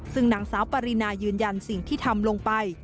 ซึ่งนางสาวปรินายืนยันสิ่งที่ทำลงไป